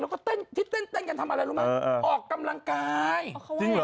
แล้วก็เต้นที่เต้นเต้นกันทำอะไรรู้ไหมเออเออออกกำลังกายเขาว่าอย่างงี้